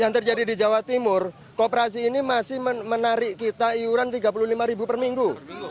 yang terjadi di jawa timur kooperasi ini masih menarik kita iuran rp tiga puluh lima per minggu